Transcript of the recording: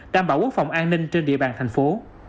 đảm bảo quốc phòng an ninh trên địa bàn thành phố